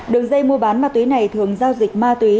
đường dây mua bán ma túy này thường giao dịch ma túy